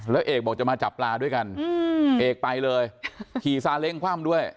แล้วเอกบอกจะมาจับปลาด้วยกันเอกไปเลยขี่ซาเล้งคว่ำด้วย